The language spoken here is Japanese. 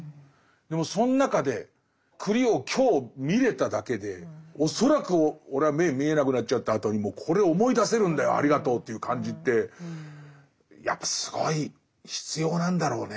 でもそん中で栗を今日見れただけで恐らく俺は目見えなくなっちゃったあとにもこれを思い出せるんだよありがとうという感じってやっぱすごい必要なんだろうね。